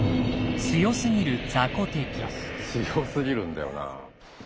強すぎるんだよな。